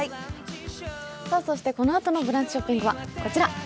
そしてこのあとのブランチショッピングはこちら。